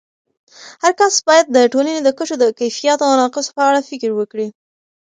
هرکس باید د ټولنې د کچو د کیفیاتو او نواقصو په اړه فکر وکړي.